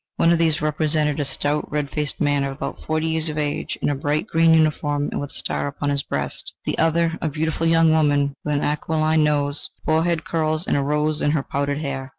One of these represented a stout, red faced man of about forty years of age in a bright green uniform and with a star upon his breast; the other a beautiful young woman, with an aquiline nose, forehead curls and a rose in her powdered hair.